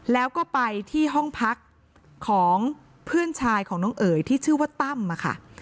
แล้วก็ไปที่ห้องพักของเพื่อนชายของน้องเอ๋ยที่ชื่อว่าตั้มค่ะ